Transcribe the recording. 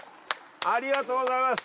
ありがとうございます！